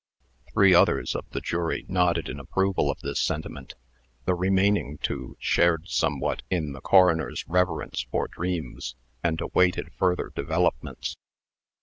Three others of the jury nodded in approval of this sentiment. The remaining two shared somewhat in the coroner's reverence for dreams, and awaited further developments.